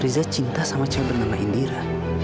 riza cinta sama cewek bernama indira